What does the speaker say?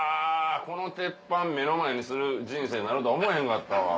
この鉄板目の前にする人生になるとは思えへんかったわ。